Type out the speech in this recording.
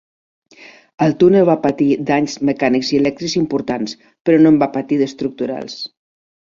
El túnel va patir danys mecànics i elèctrics importants, però no en va patir d'estructurals.